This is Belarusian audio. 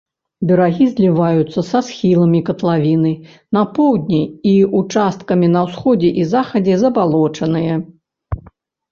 Берагі зліваюцца са схіламі катлавіны, на поўдні і ўчасткамі на ўсходзе і захадзе забалочаныя.